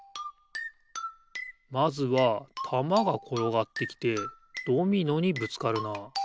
まずはたまがころがってきてドミノにぶつかるなあ。